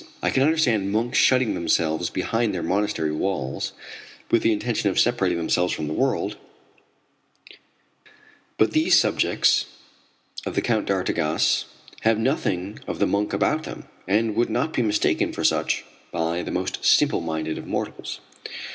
I can understand monks shutting themselves behind their monastery walls with the intention of separating themselves from the world, but these subjects of the Count d'Artigas have nothing of the monk about them, and would not be mistaken for such by the most simple minded of mortals.